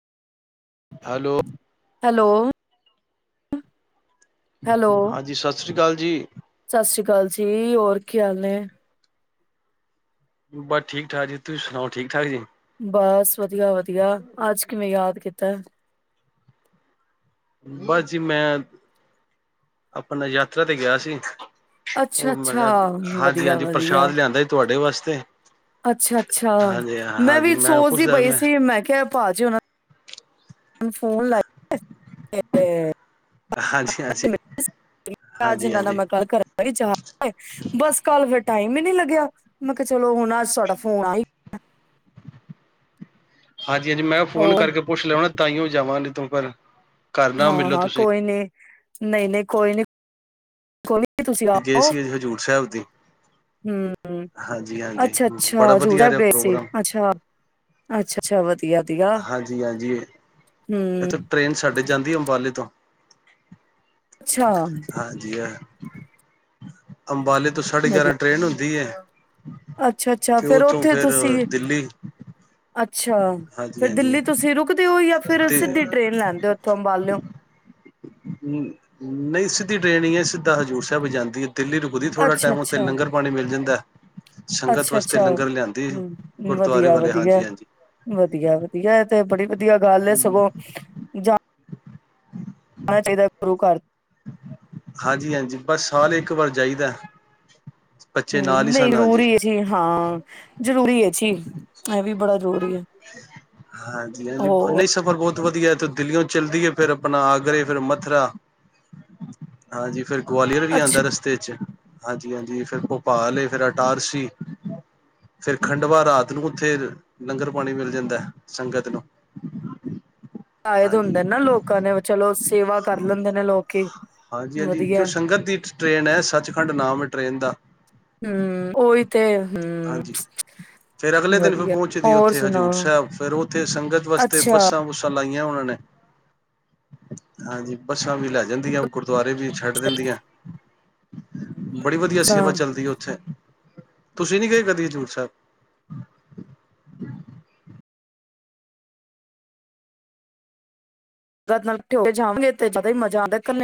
Hello hello hello ਹਾਂਜੀ ਸਤਿ ਸ਼੍ਰੀ ਅਕਾਲ ਜੀ। ਸਤਿ ਸ੍ਰੀ ਅਕਾਲ ਜੀ ਹੋਰ ਕੀ ਹਾਲ ਨੇ? ਬਸ ਠੀਕ -ਠਾਕ ਜੀ ਤੁਸੀਂ ਸੁਣਾਓ ਠੀਕ- ਠਾਕ ਜੀ? ਬਸ ਵਧੀਆ- ਵਧੀਆ ਅੱਜ ਕਿਵੇਂ ਯਾਦ ਕੀਤਾ? ਤਾਂ [unintelligible] ਬਸ ਜੀ ਮੈਂ ਆਪਣਾ ਯਾਤਰਾ ਤੇ ਗਿਆ ਸੀ। ਅੱਛਾ ਉਹ ਮੈਂ ਅੱਛਾ ਕਿਹਾ ਹਾਂਜੀ ਵਧੀਆ ਹਾਂਜੀ ਵਧੀਆ ਪ੍ਰਸ਼ਾਦ ਲਿਆਂਦਾ ਤੁਹਾਡੇ ਸਾਡੇ ਵਾਸਤੇ ਅੱਛਾ ਅੱਛਾ ਹਾਂਜੀ ਮੈਂ ਹਾਂਜੀ ਵੀ ਸੋਚਦੀ ਪੁੱਛਦਾ ਪਈ ਸੀ ਮੈਂ ਕਿਹਾ ਪਾਜੀ ਹੋਣਾ ਮਨੂੰ ਫੋਨ ਲੱ ਤੇ ਹਾਂਜੀ ਹਾਂਜੀ ਅਜ ਹਾਂਜੀ ਇਹਨਾਂ ਹਾਂਜੀ ਮੈਂ ਕੱਲ ਕਰਾਹ ਬਸ ਕੱਲ ਫ [unintelligible] ਟਾਈਮ ਹੀ ਨੀ ਲੱਗਿਆ ਮੈਂ ਕਿਹਾ ਚਲੋ ਹੁਣ ਅੱਜ ਤੁਡਾ ਫੋਨ ਆ ਹੀ ਹਾਂਜੀ ਹਾਂਜੀ ਮੈਂ ਫੋਨ ਹੋਰ ਕਰਕੇ ਪੁੱਛ ਲਿਆਉ ਨਾ ਤਾਂ ਹੀ ਹੋ ਜਾਵਾਂਗੇ ਤ ੱਪਰ [unintelligible] ਹਾਂ ਹਾਂ ਕੋਈ ਨਹੀਂੀ ਨਹੀਂ ਨਹੀਂ ਕੋਈ ਨੀ ਕੋਲ ਤੁਸੀਂ ਗਏ ਆਓ ਸੀ ਹਜ਼ੂਰ ਸਾਹਿਬ ਦੀ ਹਮ ਹਾਂਜੀ ਹਾਂਜੀ ਅੱਛਾ ਬੜਾ ਅੱਛਾ ਹਜ਼ੂਰ ਵਧੀਆ ਸਾਹਿਬ ਰਿਹਾ ਗਏ ਸੀ ਪ੍ਰੋਗਰਾਮ ਅੱਛਾ ਅੱਛਾ ਅੱਛਾ ਵਧੀਆ ਹਾਂਜੀ ਹਾਂਜੀ ਹੂੰ, ਇੱਥੇ ਟ੍ਰੇਨ ਸਾਡੇ ਜਾਂਦੀ ਹੈ ਅੰਬਾਲੇ ਤੋਂ ਅੱਛਾ ਹਾਂਜੀੀ ਹੈ ਅੰਬਾਲੇ ਦ ਤੋਂ ਸਾਡੇ ਗਿਆਰ ਟ੍ਰੇਨ ਹਦੀ ਹੈ ਹ [inaudible] ਅੱਛਾ ਅੱਛਾ ਫੇਰ ਉੱਥੇ ਤੁਸੀਂ ਦਿੱਲੀ ਅੱਛਾ ਹਾਂਜੀ ਫਿਰ ਹਾਂਜੀ ਦਿੱਲੀ ਤੁਸੀਂ ਰੁਕਦੇ ਹੋ ਜਾਂ ਫਿਰ ਤੇ ਸਿੱਧੀ ਟ੍ਰੇਨ ਲੈਂਦੇ ਹੋ ਉੱਥੋਂ ਅੰਬਾਲਿਓ ਹਮ ਨਹੀਂ ਸਿੱਧੀ ਟਰੇੇਨ ਹੈ ਸਿੱਧਾ ਹਜ਼ੂਰ ਸਾਹਿਬ ਜਾਂਦੀ ਹੈ ਤਿੱਲੀ ਰੁਕਦੀ ੋੜਾ ਟਾਈਮੱਥੇ ਲੰਰ ਪਾਣੀ ਮਿਲ ਜਾਂਦਾ ਸੰਗਤ ਅੱਛਾ ਵਾਸਤੇ ਅੱਛਾ ਲੰਗਰ ਲਿਆਂਦੀ ਹ ਗੁਰਦੁਆਰੇ ਵਧੀਆ ਵਾਲੇ ਵਧੀਆ ਹਾਂਜੀ ਹਾਂਜੀ ਵਧੀਆ ਵਧੀਆ ਤੇ ਬੜੀ ਵਧੀਆ ਗੱਲ ਹੈ ਸਗੋਂ ਜਾ ਆਣਾ ਚਾਹੀਦਾ ਗੁਰੂ ਘਰ ਹਾਂਜੀ ਹਾਂਜੀ ਬਸ ਸਾਲ ਇੱਕ ਵਾਰ ਜਾਈਦਾ ਬੱਚੇ ਨਾਲ ਹਮ ਹੀ ਨਹੀਂ ਸਨ ਜ਼ਰੂ ਹਾਂਜੀ ਹੀ ਅਸੀ ਹਾਂ ਜ਼ਰੂਰੀ ਹੈ ਜੀ ਇਹ ਵੀ ਬੜਾ ਜ਼ਰੂਰੀ ਹੈ ਹਾਂਜੀ ਹਾਂਜੀ ਹੋਰ ਨਹੀਂ ਸਫ਼ਰ ਬਹੁਤ ਵਧੀਆ ਇਥੇ ਦਿੱਲੀਓ ਚੱਲਦੀਏ ਫੇਿਰ ਆਪਣਾ ਆਗਰੇ ਫਿਰ ਮਥੁਰਾ ਹਾਂਜੀ ਫਿਰ ਗਵਾਲੀਅਰ ਵੀ ਆਉਦਾ ਅੱਛਾ ਰਸਤੇ ' ਹਾਂਜੀ ਹਾਂਜੀ ਫਿਰ ਭੋਪਾਲੇ ਫਿਰ ਅਟਾਰਸੀ ਫਿਰ ਖੰਡਵਾ ਰਾਤ ਨੂੰ ਉੱਥੇ ਲੰਗਰ ਪਾਣੀ ਮਿਲ ਜਾਂਦਾ ਸੰਗਤ ਨੂੰ ਾਇਦ ਹਾਂਜੀ ਹੁੰਦੇ ਨਾ ਲੋਕਾਂ ਨੇ ਚਲੋ ਸੇਵਾ ਕਰ ਲੈਂਦੇ ਨੇ ਲੋਕੀਂ ਹਾਂਜੀ ਹਾਂਜੀ ਕਿਉਂ ਵਧੀਆ ਸੰਗਤ ਦੀ ਟ੍ਰੇਨ ਹੈ ਸੱਚਖੰਡ ਨਾਮ ਹੈ ਟ੍ਰੇਨ ਦਾ ਹਮ ਉਓਹੀ ਤੇ ਹੂੰ ਹਾਂਜੀ ਫੇਿਰ ਅਗਲੇ ਦਿਨ ਫਿਰ ਵਧੀਆ ਪਹੁੰਚਦੀ ਹੋਰ ਉੱਥੇ ਹਜ਼ੂਰ ਸੁਣਾਓ ਸਾਹਿਬ ਫੇਿਰ ਉੱਥੇ ਸੰਗਤ ਵਾਸਤੇ ਅੱਛਾ ਬੱਸਾਂ ਬੁੱਸਾਂ ਲਾਈਆਂ ਉਹਨਾਂ ਨੇ ਹਾਂਜੀ ਬੱਸਾਂ ਵੀ ਲੈ ਜਾਂਦੀਆਂ ਕੁ ਦੁਰੇ ਵੀ ਛੱਡ ਦਿੰਦੀਆਂ ਬੜੀ ਵਧੀਆ ਅੱਛਾ ਸੇਵਾ ਚੱਲਦੀ ਹੈ ਉੱਥੇ ਤੁਸੀਂ ਨੀ ਗਏ ਕਦੀ ਹਜ਼ੂੂਰ ਸਾਹਿਬ ਰਾਤ ਨਾਲਠ ਹੋ ਕੇ ਜਾਵਗੇ ਤੇਦਾ ਮਜ਼ਾ ਆਉਂਦਾ ਇਕੇ [unintelligible]